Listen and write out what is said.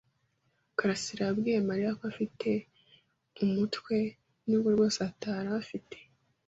karasira yabwiye Mariya ko afite umutwe nubwo rwose atari afite.